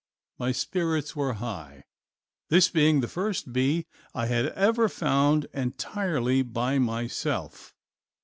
My spirits were high, this being the first bee I had ever found entirely by myself.